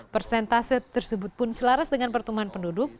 persentase tersebut pun selaras dengan pertumbuhan penduduk